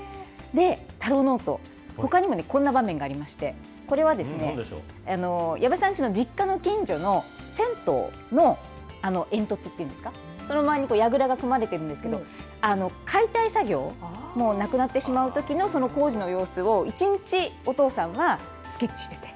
たろうノート、ほかにもこんな場面がありまして、これは矢部さんちの実家の近所の銭湯の煙突っていうんですか、その周りにやぐらが組まれてるんですけれども、解体作業、もうなくなってしまうときの、その工事の様子を、一日、お父さんはスケッチしてて。